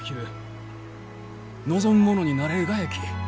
望む者になれるがやき！